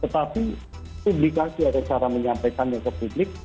tetapi publikasi atau cara menyampaikannya ke publik